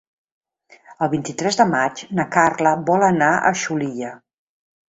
El vint-i-tres de maig na Carla vol anar a Xulilla.